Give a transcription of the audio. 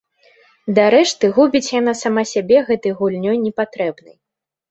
Дарэшты губіць яна сама сябе гэтай гульнёй непатрэбнай.